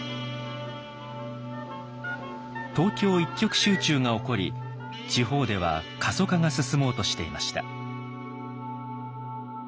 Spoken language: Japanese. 東京一極集中が起こり地方では過疎化が進もうとしていました。